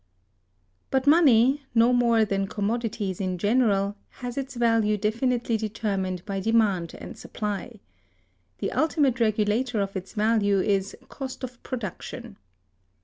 But money, no more than commodities in general, has its value definitely determined by demand and supply. The ultimate regulator of its value is Cost of Production.